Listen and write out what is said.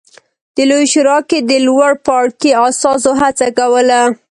د لویې شورا کې د لوړ پاړکي استازو هڅه کوله